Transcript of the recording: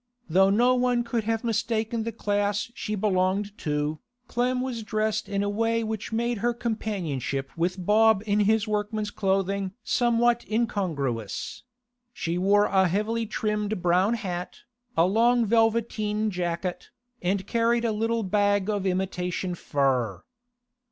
Though no one could have mistaken the class she belonged to, Clem was dressed in a way which made her companionship with Bob in his workman's clothing somewhat incongruous; she wore a heavily trimmed brown hat, a long velveteen jacket, and carried a little bag of imitation fur.